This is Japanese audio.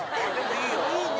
いいね！